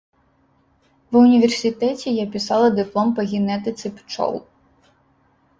Ва ўніверсітэце я пісала дыплом па генетыцы пчол.